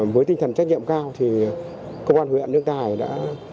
với tinh thần trách nhiệm cao thì công an huyện nước tài đã